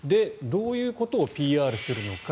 どういうことをＰＲするのか。